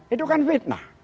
itu kan fitnah